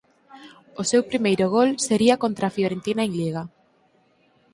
O seu primeiro gol sería contra a Fiorentina en liga.